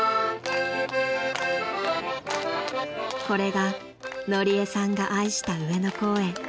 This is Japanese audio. ［これがのりえさんが愛した上野公園］